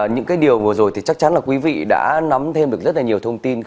những cái điều vừa rồi thì chắc chắn là quý vị đã nắm thêm được rất là nhiều thông tin